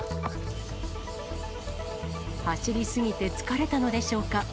走り過ぎて疲れたのでしょうか。